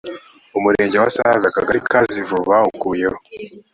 umurenge wa save akagari ka zivu bawukuyeho